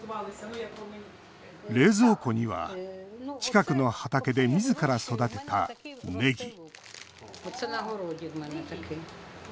冷蔵庫には近くの畑でみずから育てた、ネギ。